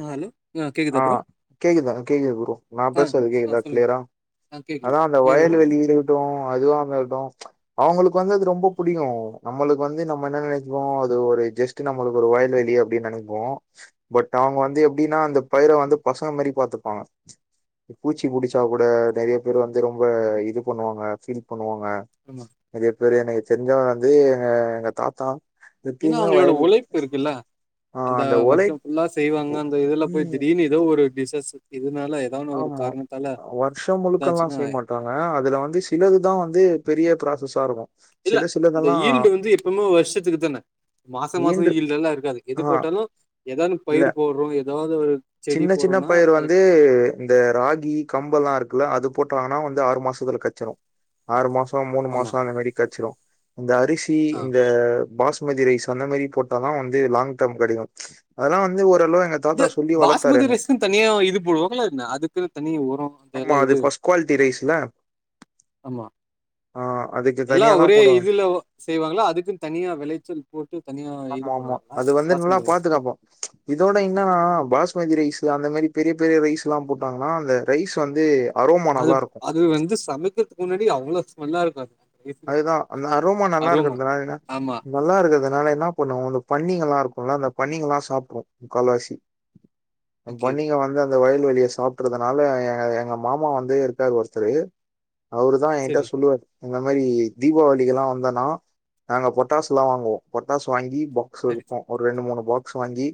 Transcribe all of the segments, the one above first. ஆ hello ஆ கேக்குதா ஆ ப்ரோ கேக்குதா கேக்குது ப்ரோ நா ஆ பேசறது ஆ கேக்குதா சொல்லுங்க க்ளியரா ஆ கேக்குது அதா அந்த கிளியரா வயல்வெளி கேக்குது இருக்கட்டு அதுவமக்கட்டு ம்ச் அவங்களுக்கு வந்து அது ரொம்ப புடிக்கு நம்மளுக்கு வந்து நம்ம என்ன நெனைப்போ அது ஒரு ஜஸ் நம்மளுக்கு ஒரு வயல்வெளி அப்டின்னு நெனைப்போ பட் அவங்க வந்து எப்டின்னா அந்த பயிர வந்து பசங்க மாரி பாத்துப்பாங்க ம்ச் பூச்சி புடிச்சா கூட நெறைய பேர் வந்து ரொம்ப இது பண்ணுவாங்க ஃபீல் பண்ணுவாங்க ஆமா அது எப்டி எனக்கு தெரிஞ்சவ வந்து எங்க எங்க தாத்தா ஏன்னா எப்பயுமே அவங்களோட வயல் உழைப்பு இருக்குல்ல ஆ அந்த ஒழை வருஷ ஃபுல்லா செய்வாங்க அந்த இதுல போய் ம் திடீர்னு ஒரு டிசஸ் இதனால ஏதான ஒரு ஆமா காரணத்தால வருஷ முழுக்கல்லா ஏதாச்சுன்னா செய்ய மாட் பாங்க அதுல வந்து சிலதுதா வந்து பெரிய ப்ராசஸா இருக்கு இல்ல இந்த ஈல்டு வந்து எப்பவுமே வருஷத்துக்கு தான மாச மாச ஈண்டு ஈல்டெல்லா இருக்காது எது ஆஹா போட்டாலு ஏதானு இல்ல. பயிர் போட்றோ ஏதாவ்து ஒரு செடி சின்ன சின்ன போடுறோம்னா பயிர் அது வந்து இந்த ராகி கம்பெல்லா இருக்குல்ல அது போட்டாங்கன்னா வந்து ஆறு மாசத்துல கச்சரு ஆறு மாச மூணு மாச ஆமா அந்த மாரி கச்சிரு அந்த அரிசி ஆ இந்த பாஸ் மதி ரைஸ் அந்த மாரி போட்டதா வந்து லாங் டம் கிடைக்கு அதெல்லா வந்து ஓரளவு எங்க தாத்தா சொல்லி வள சுமதி ரைஸு தனியா இது போடுவாங்களா என்ன அதுக்குனு தனியா ஒர ஆமா தெர்ல அது இது ஃபர்ஸ்ட் குவாலிட்டி ரைஸ்ல. ஆமா ஆ அதுக்கு எல்லா தனியா தான் ஒரே போடுவாங்க. இதுல செய்வாங்கள அதுக்குன்னு தனியா விளைச்சல் போட்டு தனியா ஆமா இது ஆமா பண்ணுவாங்களா அது வந்து நல்லா பாஷ்மதி ரைஸ்க்கு பாதுகாப்போ இதோட என்னன்னா பாஸ்மதி ரைஸு அந்த மாரி பெரிய பெரிய ரைஸ் லா போட்டாங்கன்னா அந்த ரைஸ் வந்து அரோமா அது நல்லா இருக்கு அது வந்து சமைக்கிறதுக்கு முன்னாடி அவ்ள ஸ்மெல்லா இருக்கு அதுதா அந்த அரோமா நல்லா இருக்குனால என்ன ஆமா. நல்லா இருக்கறதுனால என்ன பண்ணு இந்த பன்னிங்கல்லா இருக்குல அந்த பன்னிங்கல்லா சாப்ட்டு கால்வாசி ஓகே, ஓகே. பண்ணிங்க வந்து அந்த வயல்வெளிய சாப் னால எங்க மாமா வந்து இருக்காரு ஒருத்தர் அவரு தா எயன்ட்ட சரி, சொல்லுவார் மாரி தீபாவளிகல்லா வந்தன்னா நாங்க பட்டாசுல்லா வாங்குவோ பட்டாசு வாங்கி ஸு சரி. இருக்கு அவுரு ரெண்டு மூணு பாக்ஸ் வாங்கி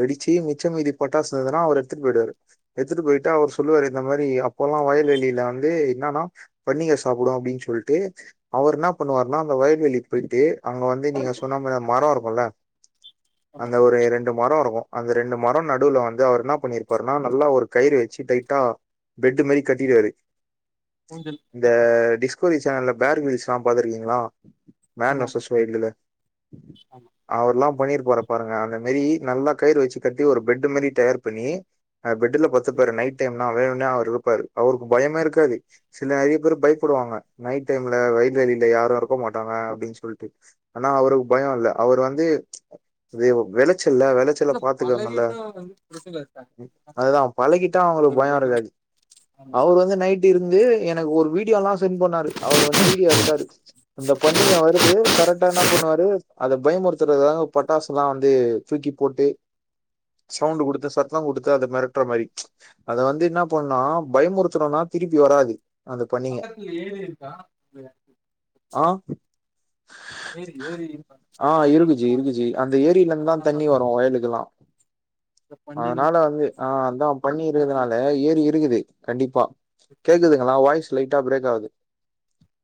வெடிச்சு மிச்சமீதி பட்டாசதுனா அவர் எடுத்துட்டு போயிடுவாரு எடுத்துட்டு போயிட்டா அவர் சொல்லுவாரு இந்த மாரி அப்பல்லா வயல்வெளியில வந்து என்னன்னா பன்னீங்க சாப்புடு அப்டின்னு சொல்ட்டு அவர் என்ன பண்ணுவாருன்னா அந்த வயல்வெளிக்கு போய்ட்டு அங்க வந்து நீங்க சொன்ன மாரி மர இருக்குல்ல அந்த ஒரு ரெண் ண்டு மர இருக்கு அந்த ரெண்டு மர நடுவ்ல வந்து அவரு என்னா பண்ணிருப்பார்னா நல்லா ஒரு கயிறு வச்சு டைட்டா பெட்டு் மாரி கட்டிடுவாரு ஊஞ்சல் இந்த டிஸ்கவ்ரி சேனல்ல பேர்க்கிரிஸ்ல்லா பாத்துருக்கீங்களா மேன் ஆமாமா, ஆமா. வெஷஸ் வைல்ட்ல ஆமா அவர்ல்லா பண்ணிருபாரு பாருங்க அந்த மாரி நல்லா கயிறு வச்சு கட்டி ஒரு பெட் மாரி தயார் பண்ணி பெட்டு்ல பத்துபாரு நைட் டைம் வேணும்னே அவர் இருப்பாரு அவருக்கு பயமே இருக்காது சில நெறைய பேர் பயப்புடுவாங்க நைட் அன் டைம்ல வயல்வெளில யாரு இருக்க மாட்டாங்க அப்டின்னு சொல்லிட்டு ஆனா அவருக்கு பய இல்ல அவர் வந்து இது விளைச்சல்ல விளைச்ச ல்ல இல்ல பாத்துக்குவாங்கள அந்த பழகிட்டா வந்து பிரச்சனை இருக்காது. அதுதா பழகிட்டா ஒரு அவங்களுக்கு பய இருக்காது ஆமா. அவர் வந்து நைட் இருந்து எனக்கு ஒரு வீடியோ எல்லா சென்ட் பண்ணாரு அவரு வந்து வீடியோ எடுத்தார் இந்த பண்ணிங்க வருது கரெக்டா என்ன பண்ணுவாரு அத பயமுறுத்துறதாங்க பட்டாசல்லா வந்து தூக்கி போட்டு சவுண்ட் குடுத்த சத்த கொடுத்து அத மிரட்ற மாரி அத வந்து என்ன பண்ணுணா பயமுறுத்தணுனா திருப்பி வராது அந்த பண்ணீங்க [unintelligible] ஆ ஏரி ஏரி ஆ இருக்குஜி பன்னிங்க இருக்குஜி அந்த ஏரிலந்துதா தண்ணி வரு வயலுக்கெல்லா இந்த பன்னிங்க அதனால வந்து ஆ அதா பண்ணி காட்டுல இருகதுனால இருக்கு. ஏரி இருகுது கண்டிப்பா கேக்குதுங்ளா வாய்ஸ் லைட்டா பிரேக்காவுது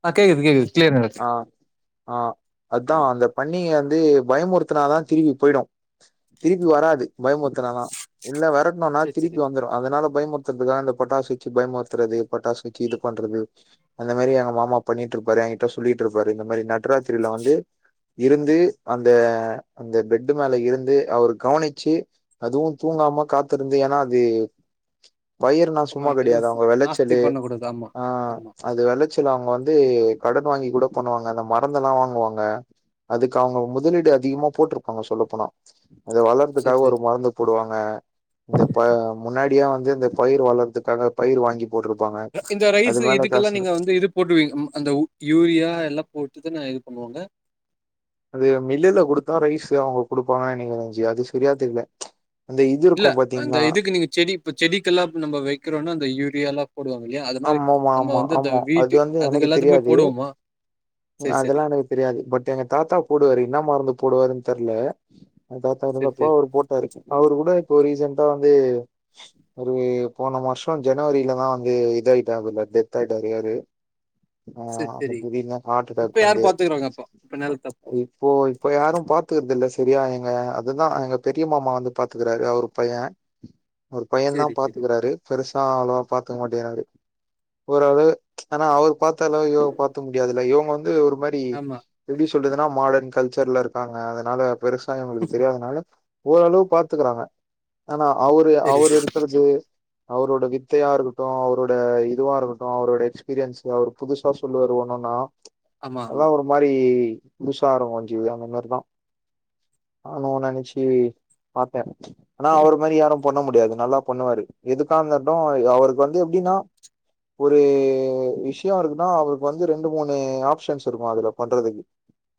ஆ கேகுது கேகுது [unintelligible] ஆ ஆ அதா அந்தப் பண்ணிகந்து பயமொறுத்துனாதாந் திருபி போயிடு திருப்பி வராது பயமொத்தனாதா இல்ல வெரட்ணுனாத் சரி, சரி. திருப்பி வந்துரு அதனால பயமொர்த்தற்துகா இந்தப் பட்டாசு வெச்சு பயமொர்த்தறது பட்டாசு வெச்சு இதுப் பண்றது அந்த மேரி எங்க மாமா பண்ணிட்ருப்பாரு எங்கிட்ட சொல்லிட்ருப்பாரு இந்த மாரி நட்ராத்திரில வந்து இருந்து அந்த அந்த பெட்டு மேல இருந்து அவுரு கவுனிச்சி அதுவு தூங்காம காத்திருந்து எனா அதே பயறுனா ஆமா சும்மா எதுவும் கெடையாது ச அவுங்க நாஸ்தி வெளச்சலு பண்ணக்கூடாது. ஆமா, ஆ ஆமா. அது வெளச்சல அவுங்க வந்து கடன் வாங்கி கூடப் பண்ணுவாங்க அந்த மரந்தெலா வாங்குவாங்க அதுக்கு அவுங்க முதலீடு அதிகமா போட்ருப்பாங்க சொல்லப் போனா அத சரி, வளர்துக்காக சரி. ஒரு மருந்துப் போடுவாங்க இந்த ப முன்னா டியா வந்து இந்தப் பயிர் வளர்துக்காக பயிர் வாங்கிப் போட்ருப்பாங்க இந்த ரைஸு இதுக்கெல்லா நீங்க வந்து இதுப் போட்டுவீங் ம் அந்த உப் யூரியா எல்லாப் போட்டுதா நா இதுப் பண்ணுவோங்க அது மில்லுல குடுத்தா ரைஸு அவுங்கக் குடுப்பாங்கன [unintelligible] அது செரியாத் தெரில அந்த இது இருக்கும் பாத்தீங்னா க்கு நீங்கச் செடி இப்போ செடிக்கெல்லாப் நம்ம வெக்கிறோனா அந்த யூரியாலாப் போடுவாங்கில்லையா அது மாரி ஆமாமா நம்ம ஆமா வந்து இந்த ஆமா அது வீட்டு வந்து அதுகெல்லாத்துகுமே போடுவோமா ம் செரி செரி அதுலா ரைட் தெரியாது பட் எங்க தாத்தாப் போடுவாரு இன்னா மரந்துப் போடுவாருன் தெர்ல அ தாத்தா செரி இருந்தப்போ செரி அவுரு போட் டாரு அவுரு கூட இப்போ ரீசென்டா வந்து ஒரு போன மாஷோ ஜனவரிலதா வந்து இதாயிட்டாபுலத் டெத்தாய்ட்டாரு அரு ஆ செரி அது செரி திடீர்னு இப்ப ஹார்ட்டடேக் யாரு வந்து பாத்துக்குறாங்க அப்போ இப்ப நிலத்த அப்போ இப் போ இப்ப யாரும் பாத்துகிறதில்ல செரியா எங்க அதுதா எங்கப் பெரிய மாமா வந்துப் பாத்துகுறாரு அவுருப் பையே ஒருப் பையந்தா செரி செரி பாத்துகுறாரு பெருசா அவ்ளவா பாத்துக மாட்டுகுறாரு ஓரளவு ஆனா அவுருப் பாத்தஅளவு இவப் பாத்த முடியாதுல இவுங்க வந்து ஒரு மாரி ஆமா எப்டி சொல்றதுனா மாடர்ன் கல்ச்சர்ல இருக்காங்க அதனால பெருசா இவுங்ளுகு தெரியாதனால ஓரளவுப் பாத்துகுறாங்க ஆனா அவுரு செரி அவுரு செரி இருக்கறது அவுரோட வித்தையாருகுட்டு அவுரோட் ட இதுவா இருகுட்டு அவுரோட எக்ஸ்பீரியன்ஸு அவுரு புதுசா சொல்லுவாரு ஒன்னொன்னா ஆமா அதலா ஆமா ஒருப் மாரி புதுசாருகு [unintelligible] ஆனு நெனச்சி பாத்தே ஆனா அவுரு மாரி யாரும் பண்ண முடியாது நல்லாப் பண்ணுவாரு எதுக்காந்தட்டு அவருக்கு வந்து எப்டினா ஒரு விஷ்யோ இருகுனா அவருகு வந்து ரெண்டு மூனு ஆப்ஷன்ஸ் இருகு அதுலப் பண்றதுகு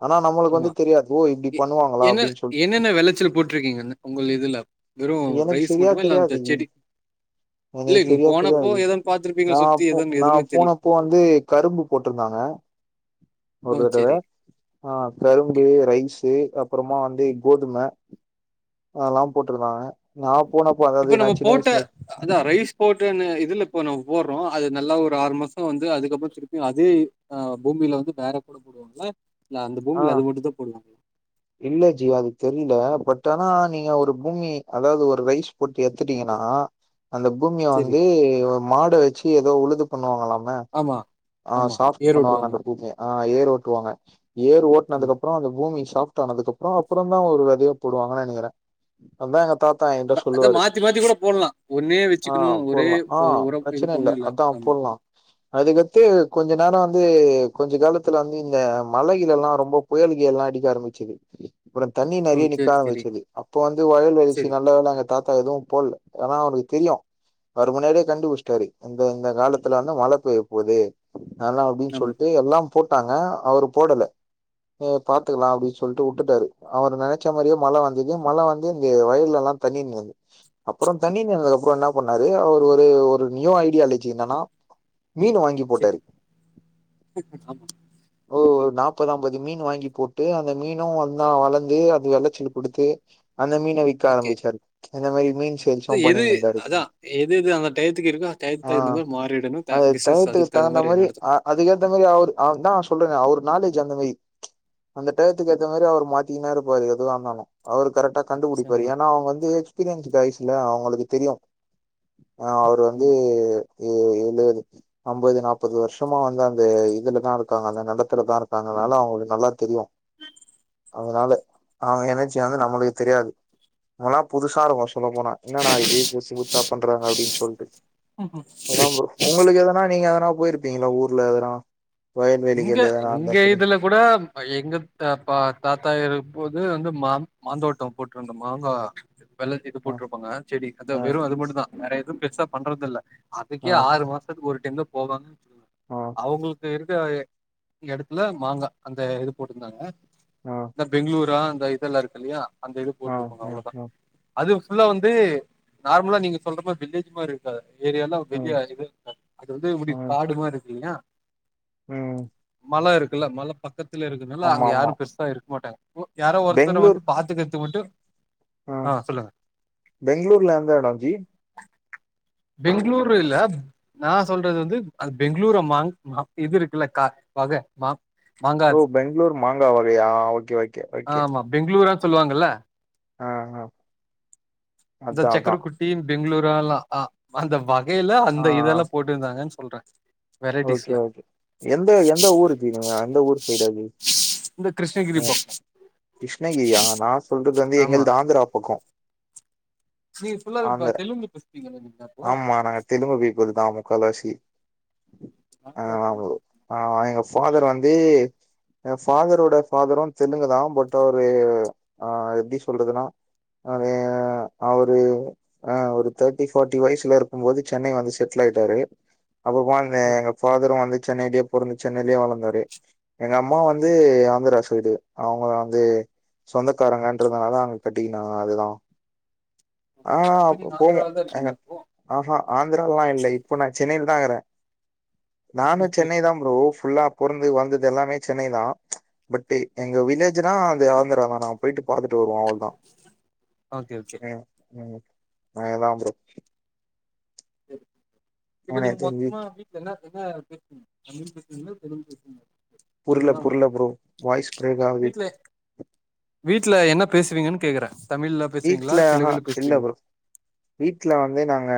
ஆனா நம்மளுக்கு ஆமா வந்துத் தெரியாது ஓ இப்டி எ பண்ணுவாங்களா என்ன அப்டின் சொல்ட் என்னென்ன வெளச்சல் போட்டிருக்கீங்கன்னே உங்கள் இதுல வெறு எனக்கு ரைஸ் மட்டுமா இல்ல அந்தச் செடி இல்ல எனக் நீங்க செரியாப் போனப்போ புரியாது ஏதோ பாத்துருப்பீங்க நா சுத்தி போ ஏதோ நா எதுவுமே தெரியு போனப்போ வந்து கரும்பு போட்டுருந்தாங்க ஒரு ஓ தடவ செரி ஆ ஓகே கரும்பு ரைஸ்சு அப்பறமா வந்து கோதும அதல்லா போட்டுருந்தாங்க நான் போனப்ப இப்ப நம்ம போட்ட அதா ரைஸ் போட்டுன்னு இதுல இப்ப நம்ம போற்றோ அது நல்லா ஒரு ஆறு மாசோ வந்து அதுக்கப்புறம் திருப்பியு அதே ஆ பூமியில வந்து வேற கூட போடுவாங்களா இல்ல அந்த ஆ பூமில அது மட்டு தா போடுவாங்களா [inaudible] இல்ல ஜ அது தெரியில பட் ஆனா நீங்க ஒரு பூமி அதாவது ஒரு ரைஸ் போட்டு எத்துட்டீங்கன்னா அந்த பூமிய சரி. வந்து மாட வச்சு எதோ உழுது பண்ணுவாங்கல்லாமே ஆமா, ஆ ஆமா. சாஃப்ட் ஏர் பண்ணுவாங்க ஓட்டுவாங்க. அந்த பூமிய ஆ ஏர் ஓட்டுவாங்க ஏர் ஆமா. ஓட்னதுக்கு அப்புறோ அந்த பூமி சாஃப் டானதுக் அப்புறோ அப்புறம் தா ஒரு வெதைய போடுவாங்க நினைக்கிறே அதா எங்க தாத் தா என்ட ப அத சொல்லுவாரு மாத்தி மாத்தி கூட போடலாம். ஒன்னே ஆ வச்சுக்கணும். ஒரே போட்லா ஆ ஒ உரம் இது பிரச்சனை இல்ல ஒண்ணும் அதா ஆமா. போட்லா அதுக்கத்து கொஞ்ச நேர வந்து கொஞ்ச காலத்துல வந்து இந்த மலகில எல்லா ரொம்ப புயல்கைய எல்லா அடிக்க ஆரம்பிச்சது அப்புறம் தண்ணி ஓ! நிறைய நிக்கா சரி, சரி, ஆரம்ச்சது அப்ப வந்து வயல் சரி. வெலச்சு நல்ல வேல அங்க தாத் தா எதுவு பொல்ல ஏன்னா அவனுக் தெரியு வரு முன்னாடியே கண்டுபிடிச்சிட்டாரு இந்த இந்த காலத்துல வந்து மழ பெய்ய போது நல்லா அப்டின் ஆமா. சொல்ட்டு எல்லாம் போட்டாங்க அவரு போடல எ பாத்துக்கலா அப்படின் சொல்ட்டு உட்டுட்டாரு அவர் நெனச்ச மாரியே மழ வந்தது மழ வந்து இந்த வயல்ல எல்லா தண்ணினுது அப்புறம் தண்ணி நின்ன அப்புற என்ன பண்ணாரு அவரு ஒரு ஒரு நியூ ஐடியாலஜி என்னன்னா மீனு வாங்கி போட்டாரு சரி ஆம் ஓ ஒரு நாப்பதம்பது மீன் வாங்கி போட்டு அந்த மீனு அதா வளந்து அது வெளச்சலு குடுத்து அந்த மீன விக்க ஓகே. ஆரம்பிச்சாரு அந்த மாரி மீன்ச் எது அதா எது எது அந்த டய்த்துக்கு இருக்கோ டய்த் ஆ தகுந்த மாரி மாறிடணு அது பிஸ்னஸ் டயத்துக்கு அதுக் தகுந்த மாரி நடத்தனு அ அதுக்கேத்த மாரி அவுரு அவ் தா சொல்றேனே அவரருக் நாலேஜ் அந்த மாரி அந்த டய்த்துக்கு ஏத்த மாரி அவரு மாத்தின்னே இருப்பாரு எதுவா இருந்தாலு அவரு கரெக்டா கண்டுபுடிப்பாரு ஆமா, ஏன்னா அவங்க வந்து எக்ஸ்பீரியன்ஸ் கைஸ்ல அவங்களுக்கு தெரியு ஆ அவுரு வந்து ஆமா, எ எழுவது ஐம்பது நாப்பது வருஷமா வந்து அந்த இதுலதா இருக்காங்க அந்த நலத்துலதா இருக் காங்க அதனால அவங்களுக் நல்லா தெரியு அதனால அவங்க எனச்சி வந்து நம்மளுக் தெரியாது அதல்லா புதுசா இருக்கு சொல்ல போனா என்னடா இது புஷ்ஷு புத்தா பண்றாங்க அப்படின் சொல்ட்டு ஆமா. அதா ப்ரோ ஒங்களுக் எதனா நீங்க எதனா போயிருப்பீங்கள ஊர்ல எதனா இங்க வயல்வெளிகள் எதனா இருந்தா இங்க சொல்லுங்க இதுல கூட எங்க அ பா தாத்தா இருக்கும்போது வந்து மா மாந்தோட்டோ போட்ருந்தோ மாங்கா வெள்ளத் எது ஆ போட்ருப்பாங்க செடி அதா ஆ வெறு அது மட்டுதா வேற எது பெர்சா பண்றது இல்ல ஆ அதுக்கே ஆறு மாசத்துக் ஒரு டைம் தா போவாங்க ஆ அவங்களுக்கு த எடத்துல மாங்கா அந்த இது போட்டுந்தாங்க அ த பெங்ளூரா அந்த இதெல்லா இருக்கு இல்லையா அந்த இது ஆ போட்ருக்காங்க ஆ அவ்ளோதா ஆ அது ஃபுல்லா வந்து நார்மலா நீங்க சொல்ற மாரி வில்லேஜ் மாரி காது ஏரியனா ம் வெளிய இ இருக்க அது வந்து இப்டி ம் காடுமாரிருக்குங்க ம் மல இருக்குல்ல மல பக்கத்துல இருக்கதுனால ஆமா அங்க ஆமா யாரு பெருசா இருக் மாட்டாங்க யாரோ ஒருத்தரு வந்து பாத்துகர்து மட்டு ஆ பெங்ளூர்ல எந்த எடோ ஜி பெங்ளூரு இல்ல நா சொல்றது வந்து அத் பெங்களூர மார் இது இருக்குல்ல கா பக மா ஓ மாங்காத் பெங்ளூர் மாங்கா வகையா ஓகே ஓகே ஓகே பெங்ளூரான் சொல்லுவாங்கல்ல ஆ ஆ இந்த அதா அதா சக்கர குட் டீம் பெங்ளூராலா அந்த வகையில ஆ அந்த இதெல்லா போட்டுந்தாங்கன் சொல்ற ஓகே வெரைட்டிஸ்ல ஓகே எந்த எந்த ஊரு ஜி நீங்க அந்த ஊர் சைடாது இந்த கிருஷ்ணகிரி பக்கோ கிருஷ்ணகிரியா நா சொல்றது வந்து ஆமா எங்கள்து ஆந்ரா பக்கோ நீங் ஃபுல்லாவே ப ஆந்திர தெலுங்கு பேசுவீங்கள நீங் அப்போ ஆமா நாங்க தெலுங்கு பீப்புல் தா முக்காவாசி ஆந்திரா ஆமா ப்ரோ தெலுங்கு ஆமா எங்க ஃபாதர் வந்து எங்க ஃபாதரோட ஃபாதரு தெலுங்குதா பட் அவுரு ஆ எப்டி சொல்றதுனா அவெ அவுரு ஆ ஒரு தேர்டி ஃபர்ட்டி வயசுல இருக்கு போது சென்னை வந்து செட்டில் ஆயிட்டாரு அப்ப வந் சரி எங்க ஃபாதரு வந்து சென்னைலே பொறந்து சென்னைலே வளந்தாரு எங்க அம்மா வந்து சரி ஆந்தரா பைடு அவுங்க வந்து சொந்தக்காரங்கன்றதுனாலா அவுங் கட்டிக்கினாங்க அதுதா ஆ இப்ப அப்ப நீங்க போல ஆந்திரால தா ஏங்க இருக்கீங்க அப்போ ஆஹா ஆந்திராலா இல்ல இப்ப நா சென்னைல தாங்கிறே நானு சரி சென்னை தா ப்ரோ ஃபுல்லா பொற்ந்து வள்ந்தது எல்லாமே சென்னைதா பட் எங்க ஓகே வில்லேஜ்னா அது ஆந்தர நானாவ் போயிட்டு பாத்துட்டு வருவோ அவ்ள்தா ஓகே ஓகே ம் நாங்கதா அப்ற இப்ப நீங்க எனக்கு தெரிஞ்சு மொத்தமா அ தின்ன என்னாத் பேசுவீங்க தமிழ் பேச்வீங்ளா தெலுங்கு பேச்வீங்ளா புர்ள புர்ள ப்ரோ வாய்ஸ் ப்ரேக் ஆவ்து வீட்ல வீட்ல என்ன பேசுவீங்கன் கேக்றே தமிழ்ல பேசுவீங்களா வீட்ல ஆஹா தெலுங்குல இல்ல பேசுவீங்களா ப்ரோ வீட்ல வந்து நாங்க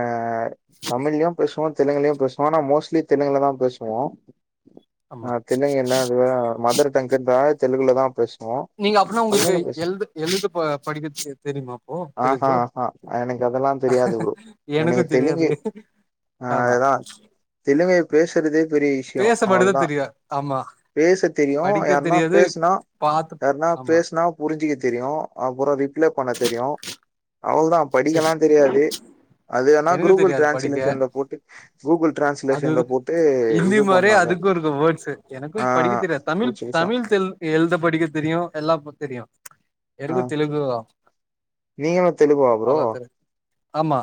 தமிழ்லிய பேசுவோ தெலுங்லியு பேசுவோ ஆனா மோஸ்ட்லி தெலுங்கில தா பேச்வோ ஆ ஆமா தெலுங்கு என்ன அது மதர் டங்குன்றா தெலுங்குல தா பேச் நீங்க அப்னா உங்ளுக்கு எழுது எழுது படிக்க தெரியுமா ப்ரோ ஆஹா தெலுங்கு ஆஹா எனக்கு அதெல்லாம் தெரியாது ப்ரோ. எனக்கு தெரியாது ஆமா தெலுவைய பேசுறதே பெரிய விஷ்யோ பேசமட்டுத அவள்தா தெரியு ஆமா பேச தெரியு படிக்க யார்னா தெரியாது பேச்னா பாத்து யார்னா ஆமா பேச்னா புரிஞ்சுக்க தெரியு அப்புற ரிப்ளே பண்ண தெரியு அவள்தா படிக்கலா சரி தெரியாது அது ஆனா எனக்கு கூகுள் தெரியாது படிக்க டிரான்ஸ்லேஷன்ல போட்டு கூகுள் டிரான்ஸ்லேஷன்ல போட்டு இது வரே பண்ணாங்க அதுக்கு இருக்கு வேர்ட்ஸு எனக்கு ஆ படிக்க தெரியாது தமிழ் போச்சு விஷ்யோ தமிழ் தெல் எழுத படிக்க தெரியு எல்லா தெரியு ஆ எனக்கு தெலுகு நீங்களு தெலுங்குவா ப்ரோ ஆமா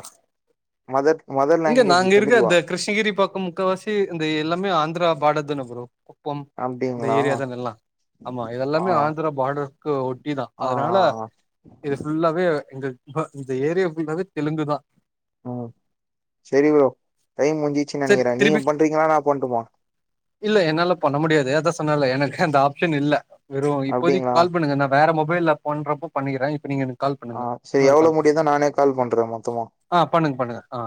மதர் மதர் இங்க லாங்குவேஜ் நாங்க இருக்க தெலுங்குவா இந்த கிருஷ்ணகிரி பக்கோ முக்காவாசி இந்த எல்லாமே ஆந்திரா பாடருதான்னே ப்ரோ குப்பம் இந்த அப்டிங்களா ஏரியா தானே எல்லா ஆமா ஆ ஆ இதெல்லாமே ஆந்திரா பார்டருக்கு ஒட் தா ஆ அதனால ஆ இது ஃபுல்லாவே எங்க இந்த ஏரியா ஃபுல்லாவே தெலுங்கு தா ம் சரி ப்ரோ டைம் முடிஞ்சிச்சு சரி நினைக்கிறே நீங்க திருப்பி பண்றீங்கங்கனளா நா பண்ட்டுமா இல்ல என்னால பண்ண முடியாது அதா சொன்னேல எனக்கு அந்த ஆப்ஷன் இல்ல வெறு இப்போதிக்கு அப்டிங்களா கால் பண்ணுங்க நா வேற மொபைல்ல பண்றப்போ பண்ணிக்கறே இப்ப நீங்க எனக் கால் ஆ பண்ணுங்க செரி இன்னொரு எவ்ளோ கால் முடியுதோ நானே கால் பண்றே மொத்தமா ஆஹ் பண்ணுங்க பண்ணுங்க ஆ